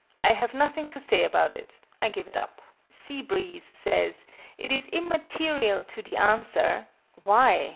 I have nothing to say about it: I give it up. SEA BREEZE says "it is immaterial to the answer" (why?)